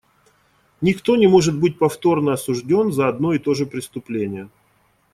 Никто не может быть повторно осужден за одно и то же преступление.